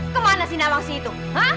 kemana sih nawang sih itu